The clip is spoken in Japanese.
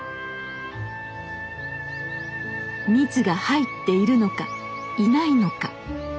蜜が入っているのかいないのか。